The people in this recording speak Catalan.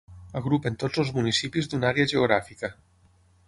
Agrupen tots els municipis d'una àrea geogràfica.